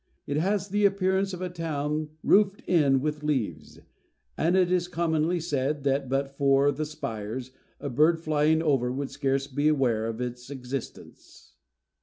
It has the appearance of a town roofed in with leaves; and it is commonly said, that, but for the spires, a bird flying over would scarce be aware of its existence.